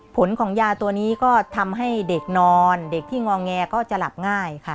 ผลของยาตัวนี้ก็ทำให้เด็กนอนเด็กที่งอแงก็จะหลับง่ายค่ะ